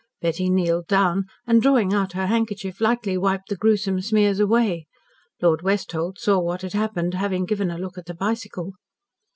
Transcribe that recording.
Betty kneeled down, and drawing out her handkerchief, lightly wiped the gruesome smears away. Lord Westholt saw what had happened, having given a look at the bicycle.